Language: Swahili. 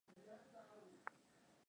fulani ukienda kwa zile tukutuku